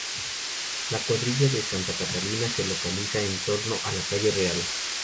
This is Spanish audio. La Cuadrilla de Santa Catalina se localizaba en torno a la Calle Real.